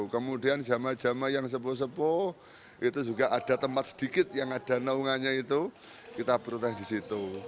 kemudian jamaah jamaah yang sepuh sepuh itu juga ada tempat sedikit yang ada naungannya itu kita bertek di situ